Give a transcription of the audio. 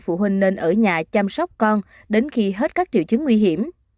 phụ huynh nên ở nhà chăm sóc con đến khi hết các triệu chứng nguy hiểm